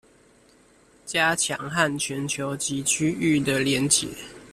加強和全球及區域的連結